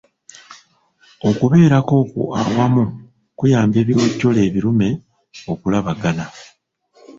Okubeerako okwo awamu kuyamba ebiwojjolo ebirume okulabagana.